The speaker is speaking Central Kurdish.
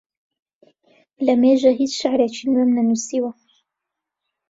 لەمێژە هیچ شیعرێکی نوێم نەنووسیوە.